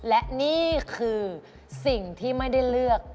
และนี่คือสิ่งที่ไม่ได้เลือก